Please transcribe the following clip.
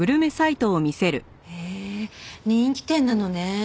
へえ人気店なのね。